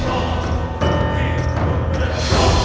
aku tidak tahu